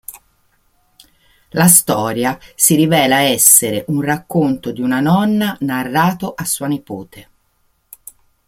La storia si rivela essere un racconto di una nonna narrato a sua nipote.